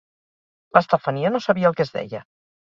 L'Estefania no sabia el que es deia.